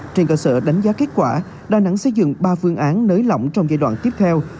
trên cơ sở đánh giá kết quả đà nẵng xây dựng ba phương án nới lỏng trong giai đoạn tiếp theo